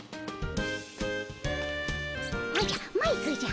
おじゃマイクじゃ。